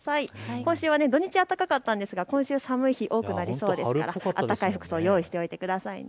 今週は土日暖かかったんですが今週は寒い日が多くなりそうですから暖かい服装を用意しておいてくださいね。